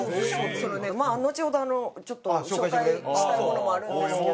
まあのちほどちょっと紹介したいものもあるんですけど。